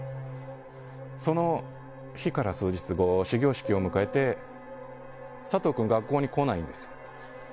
その日から数日後始業式を迎えて佐藤君、学校に来ないんですよ。